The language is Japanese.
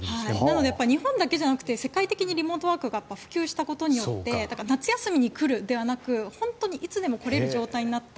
なので日本だけじゃなくて世界的にリモートワークが普及したことによって夏休みに来るではなく、本当にいつでも来れる状態になった。